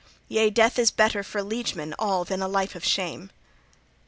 Yea, death is better for liegemen all than a life of shame!"